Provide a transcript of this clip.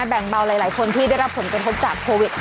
แบ่งเบาใหญ่คนที่ได้รับผลปภัยจากโพวิค